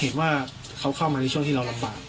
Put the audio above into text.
เห็นว่าเขาเข้ามาในช่วงที่เราลำบาก